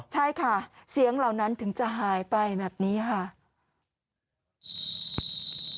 ใช่ค่ะเสียงเหล่านั้นถึงจะหายไปแบบนี้ค่ะ